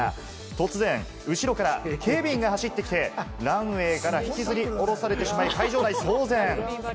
突然、後ろから警備員が走ってきて、ランウェイから引きずり降ろされてしまい、会場内は騒然。